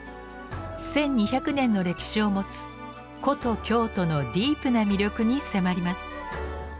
１，２００年の歴史を持つ古都・京都のディープな魅力に迫ります。